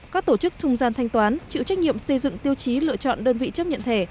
các tổ chức trung gian thanh toán chịu trách nhiệm xây dựng tiêu chí lựa chọn đơn vị chấp nhận thẻ